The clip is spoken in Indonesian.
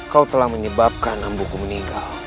kau telah menyebabkan embuku meninggal